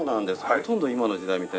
ほとんど今の時代みたい。